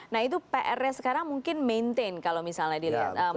nah itu pr nya sekarang mungkin maintain kalau misalnya dilihat